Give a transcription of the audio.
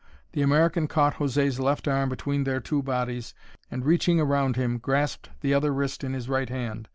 The American caught José's left arm between their two bodies and, reaching around him, grasped the other wrist in his right hand.